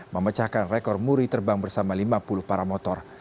memecahkan rekor muri terbang bersama lima puluh paramotor